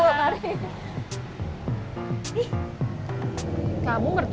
ya salam mas randy